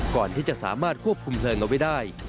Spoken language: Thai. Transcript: ก่อนที่จะสามารถควบคุมเพลิงเอาไว้ได้